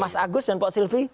mas agus dan pak silvi